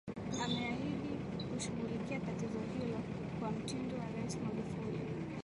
Ameahidi kushughulikia tatizo hilo kwa mtindo wa Rais Magufuli